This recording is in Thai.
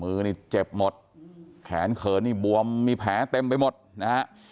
มือนี่เจ็บหมดแขนเขินนี่บวมมีแผลเต็มไปหมดนะฮะ